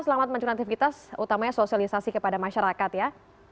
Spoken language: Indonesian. selamat melanjutkan aktivitas utamanya sosialisasi kepada masyarakat ya